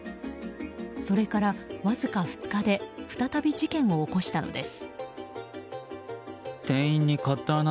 それからわずか２日で再び事件を起こしたのです。